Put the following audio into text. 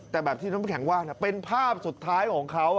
แต่แบบที่น้ำแข็งว่าเป็นภาพสุดท้ายของเขา